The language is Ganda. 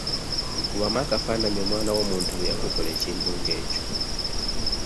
Kubamu akafaananyi omwana w'omuntu bwe yakukola ekintu ng'ekyo!